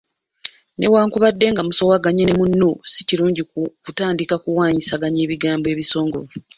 Newankubadde nga musoowaganye ne munno, si kirungi kutandika kuwaanyisiganya bigambo bisongovu.